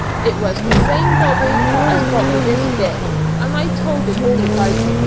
It was the same 'bobby' as got me this bit, and I told him then all about it."